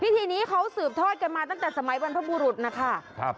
พิธีนี้เขาสืบทอดกันมาตั้งแต่สมัยบรรพบุรุษนะคะ